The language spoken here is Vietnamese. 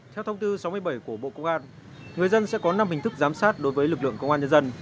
theo thông tư sáu mươi bảy của bộ công an người dân sẽ có năm hình thức giám sát đối với lực lượng công an nhân dân